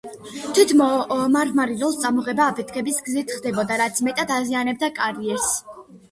თვით მარმარილოს ამოღება აფეთქების გზით ხდებოდა, რაც მეტად აზიანებდა კარიერს.